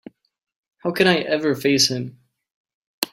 How can I ever face him?